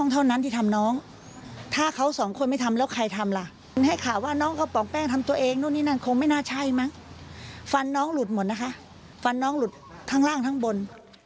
เท่านั้นที่ทำน้องถ้าเขาสองคนไม่ทำแล้วใครทำล่ะให้ข่าวว่าน้องกระป๋องแป้งทำตัวเองนู่นนี่นั่นคงไม่น่าใช่มั้งฟันน้องหลุดหมดนะคะฟันน้องหลุดข้างล่างทั้งบน